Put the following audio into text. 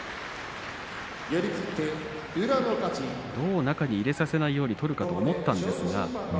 どう中に入れさせないように取るかと思ったんですが。